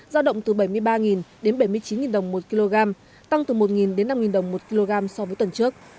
giao động từ bảy mươi ba đến bảy mươi chín đồng một kg tăng từ một đến năm đồng một kg so với tuần trước